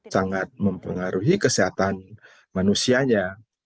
sangat mempengaruhi kesehatan manusianya